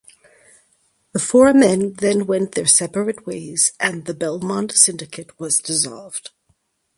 The four men then went their separate ways and the Belmont Syndicate was dissolved.